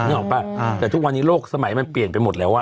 นึกออกป่ะแต่ทุกวันนี้โลกสมัยมันเปลี่ยนไปหมดแล้วอ่ะ